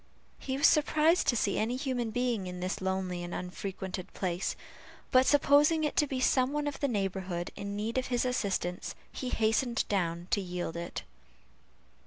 He was surprised to see any human being in this lonely and unfrequented place, but supposing it to be some one of the neighborhood in need of his assistance, he hastened down to yield it.